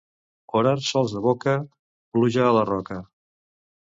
Orar sols de boca, pluja a la roca.